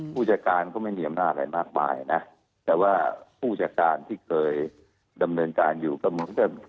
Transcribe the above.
ผู้จัดการก็ไม่มีอำนาจอะไรมากมายนะแต่ว่าผู้จัดการที่เคยดำเนินการอยู่กำลังจะ